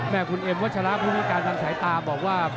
คุณเอ็มวัชระผู้พิการทางสายตาบอกว่า